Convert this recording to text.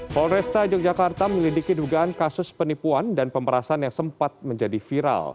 polresta yogyakarta menyelidiki dugaan kasus penipuan dan pemerasan yang sempat menjadi viral